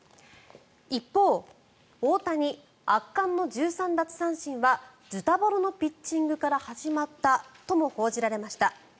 一方大谷、圧巻の１３奪三振はズタボロのピッチングから始まったとも報じられました。